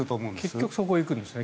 結局そこに行くんですね。